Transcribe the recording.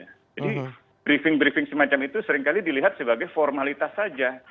jadi briefing briefing semacam itu seringkali dilihat sebagai formalitas saja